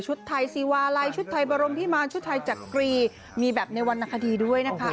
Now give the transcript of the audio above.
ไทยซีวาลัยชุดไทยบรมพิมารชุดไทยจักรีมีแบบในวรรณคดีด้วยนะคะ